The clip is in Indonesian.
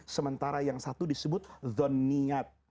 sementara yang satu disebut zonniat